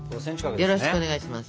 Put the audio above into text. よろしくお願いします。